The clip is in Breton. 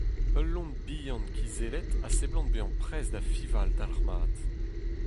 Ul loen bihan kizellet a seblant bezañ prest da fiñval dalc'hmat.